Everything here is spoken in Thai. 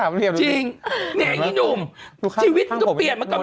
เนี่ยไอ้นุ่มชีวิตต้องเปลี่ยนมาก่อน